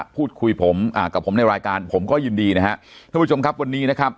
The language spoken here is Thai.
พูดคุยผมอ่ากับผมในรายการผมก็ยินดีนะฮะท่านผู้ชมครับวันนี้นะครับ